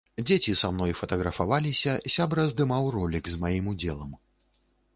Дзеці са мной фатаграфаваліся, сябра здымаў ролік з маім удзелам.